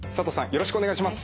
よろしくお願いします。